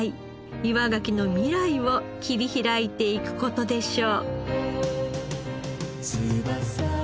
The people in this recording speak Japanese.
岩ガキの未来を切り開いていく事でしょう。